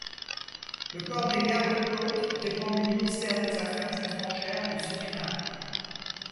Le corps des garde-côtes dépend du ministère des affaires étrangères du Suriname.